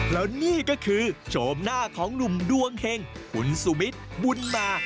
แล้วนี่ก็คือโฉมหน้าของหนุ่มดวงเห็งคุณสุมิตรบุญมา